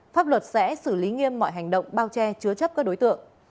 pháp luật sẽ xử lý nghiêm mọi hành động bao che chứa chấp các đối tượng